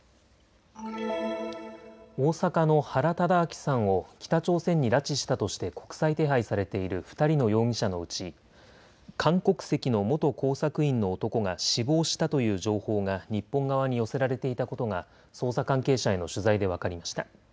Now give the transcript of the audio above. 大阪の原敕晁さんを北朝鮮に拉致したとして国際手配されている２人の容疑者のうち韓国籍の元工作員の男が死亡したという情報が日本側に寄せられていたことが捜査関係者への取材で分かりました。